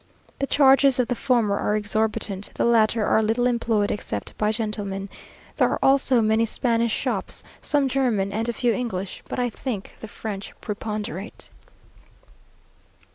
The charges of the former are exorbitant, the latter are little employed except by gentlemen. There are also many Spanish shops, some German, and a few English; but I think the French preponderate.